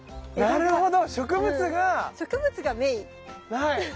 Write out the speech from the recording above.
なるほど。